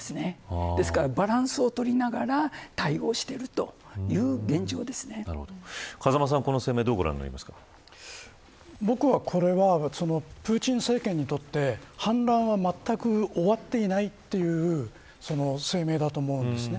バランスを取りながら対応している風間さんはこの声明僕はこれはプーチン政権にとって反乱はまったく終わっていないという声明だと思うんです。